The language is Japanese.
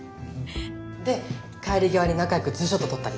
で帰り際に仲よく２ショット撮ったり。